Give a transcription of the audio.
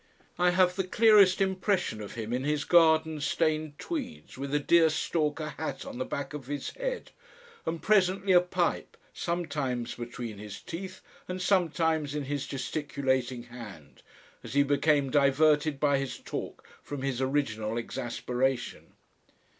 I have the clearest impression of him in his garden stained tweeds with a deer stalker hat on the back of his head and presently a pipe sometimes between his teeth and sometimes in his gesticulating hand, as he became diverted by his talk from his original exasperation....